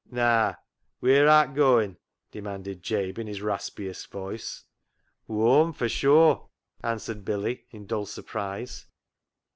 " Naa, wheer art goin' ?" demanded Jabe in his raspiest voice. " Whoam, for sure," answered Billy in dull surprise.